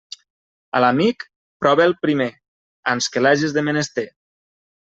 A l'amic, prova'l primer, ans que l'hages de menester.